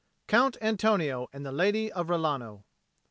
COUNT ANTONIO AND THE LADY OF RILANO.